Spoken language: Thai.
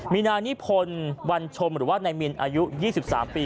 มีนางนิพนธ์วันชมหรือว่านายมินอายุ๒๓ปี